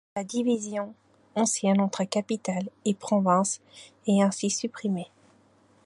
La division ancienne entre capitale et province est ainsi supprimée.